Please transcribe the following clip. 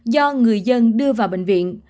do người dân đưa vào bệnh viện